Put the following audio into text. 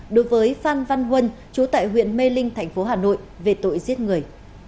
đối với phan văn huân chú tại huyện mê linh tp hà nội về tội giết người